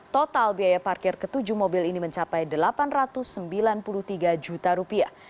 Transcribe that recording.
total biaya parkir ke tujuh mobil ini mencapai rp delapan ratus sembilan puluh tiga juta